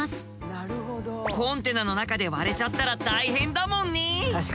コンテナの中で割れちゃったら大変だもんね。